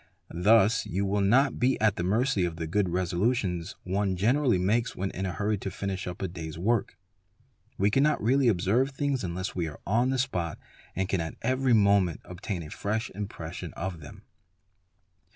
Thus you will not be at the mercy of the good resolutions one generally makes when in a hurry to finish up a day's — work. We cannot really observe things unless we are on the spot and can at every moment obtain a fresh impression of them.